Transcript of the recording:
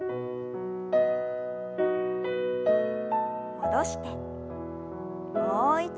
戻してもう一度。